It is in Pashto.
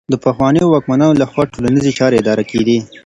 د پخوانيو واکمنانو لخوا ټولنيزې چارې اداره کيدې.